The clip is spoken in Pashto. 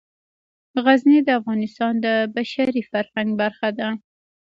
غزني د افغانستان د بشري فرهنګ برخه ده.